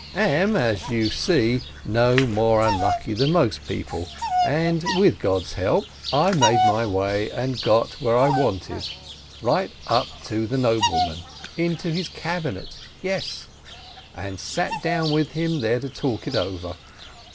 am, as you see me, no more un lucky than most people, and with God's help I made 170 SHOLOM ALECHEM my way, and got where I wanted, right up to the noble man, into his cabinet, yes! And sat down with him there to talk it over.